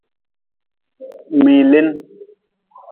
Mngilin.